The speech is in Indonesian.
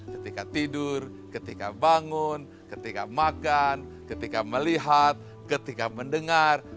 ketika tidur ketika bangun ketika makan ketika melihat ketika mendengar